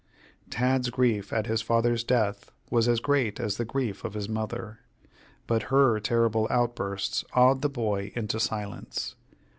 Tad's grief at his father's death was as great as the grief of his mother, but her terrible outbursts awed the boy into silence.